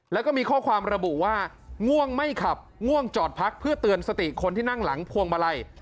แล้วก็มีข้อความระบุว่าง่วงไม่ขับง่วงจอดพักเพื่อเตือนสติคนที่นั่งหลังพวงมาลัย